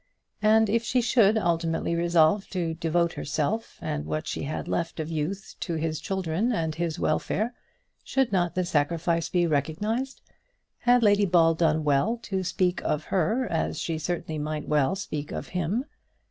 And if she should ultimately resolve to devote herself and what she had left of youth to his children and his welfare, should not the sacrifice be recognised? Had Lady Ball done well to speak of her as she certainly might well speak of him?